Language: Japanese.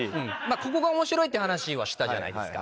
ここが面白いって話はしたじゃないですか。